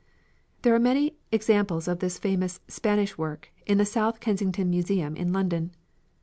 There are many examples of this famous "Spanish work" in the South Kensington Museum in London.